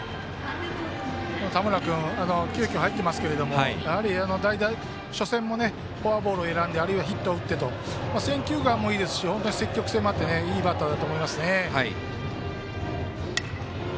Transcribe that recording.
田村君急きょ入ってますが、初戦もフォアボールを選んであるいはヒットを打ったりと選球眼もいいですし積極性もあっていいバッターだと思いますね。